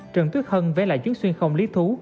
trần tuyết hân vẽ lại chứng xuyên không lý thú